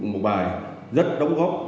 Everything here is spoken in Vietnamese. một bài rất đóng góp